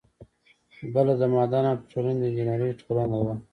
بله د معدن او پیټرولیم د انجینری ټولنه وه.